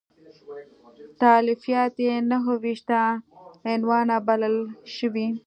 تالیفات یې نهه ویشت عنوانه بلل شوي.